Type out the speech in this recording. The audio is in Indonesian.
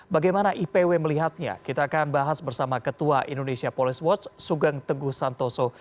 bagaimana ipw melihatnya kita akan bahas bersama ketua indonesia police watch sugeng teguh santoso